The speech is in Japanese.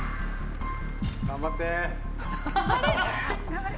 頑張って！